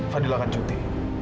fadil akan cuti